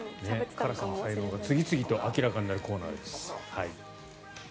カラスさんの生態が次々と明らかになるコーナーです。